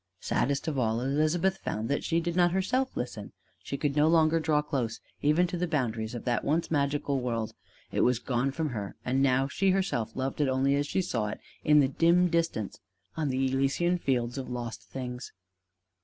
Saddest of all, Elizabeth found that she did not herself listen: she could no longer draw close even to the boundaries of that once magical world: it was gone from her and now she herself loved it only as she saw it in the dim distance on the Elysian Fields of lost things.